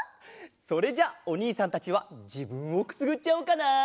それじゃおにいさんたちはじぶんをくすぐっちゃおうかな。